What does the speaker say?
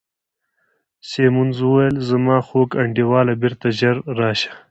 سیمونز وویل: زما خوږ انډیواله، بیرته ژر راشه.